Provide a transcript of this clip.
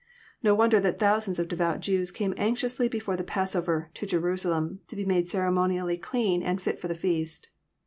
No wonder that thousands of devout Jews came anxiously before the passover, to Jerusalem, to be made ceremo nially clean and fit for the feast.